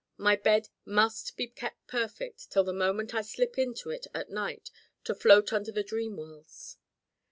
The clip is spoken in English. My bed must be kept perfect till the moment I slip into it at night to float under the dream worlds.